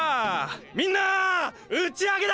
みんな打ち上げだ！